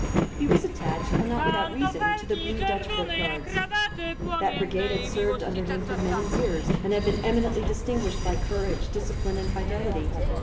He was attached, and not without reason, to the Blue Dutch Foot Guards. That brigade had served under him for many years, and had been eminently distinguished by courage, discipline and fidelity.